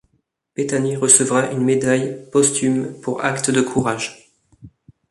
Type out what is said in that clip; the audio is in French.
Bethany recevra une médaille posthume pour acte de courage.